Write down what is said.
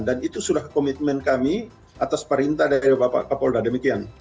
dan itu sudah komitmen kami atas perintah dari bapak kapolos demikian